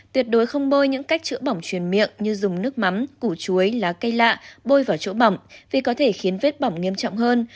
tuyệt đối không bôi những cách chữa bỏng truyền miệng như dùng nước mắm củ chuối lá cây lạ bôi vào chỗ bỏng vì có thể khiến vết bỏng nghiêm trọng hơn